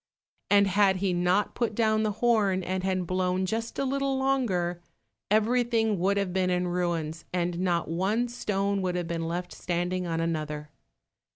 And had he not put down the horn and had blown just a little longer, everything would have been in ruins, and not one stone would have been left standing on another.